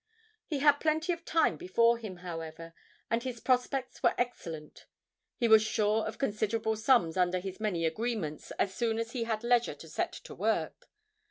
He had plenty of time before him, however, and his prospects were excellent; he was sure of considerable sums under his many agreements as soon as he had leisure to set to work.